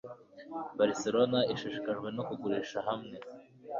Barcelona ishishikajwe no kugurisha hamwe